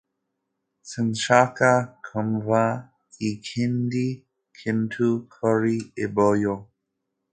Sinshaka kumva ikindi kintu kuri ibyo.